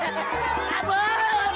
wah ada apaan